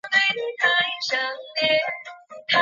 阿加汗三世。